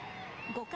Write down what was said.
５回。